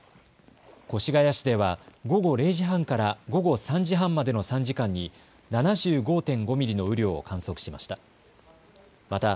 越谷市では、午後０時半から午後３時半までの３時間に、７５．５ミリの雨量を観測しました。